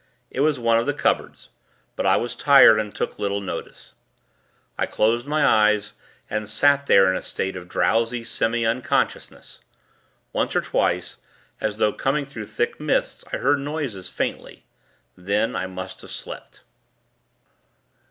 It was one of the cupboards; but I was tired, and took little notice. I closed my eyes, and sat there in a state of drowsy, semi unconsciousness. Once or twice as though coming through thick mists I heard noises, faintly. Then I must have slept.